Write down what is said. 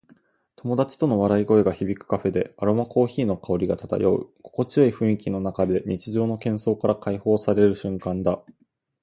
友達との笑い声が響くカフェで、アロマコーヒーの香りが漂う。心地よい雰囲気の中で、日常の喧騒から解放される瞬間だ。